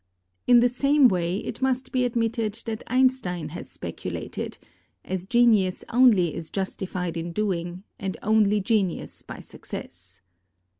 In the same way, it must be admitted that Einstein has speculated, as genius only is justified in doing, and only genius by success.